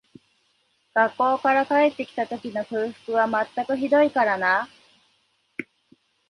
学校から帰って来た時の空腹は全くひどいからな